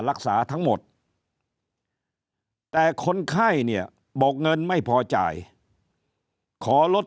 รักษาทั้งหมดแต่คนไข้เนี่ยบอกเงินไม่พอจ่ายขอลด